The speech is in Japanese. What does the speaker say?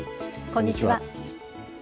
こんにちは。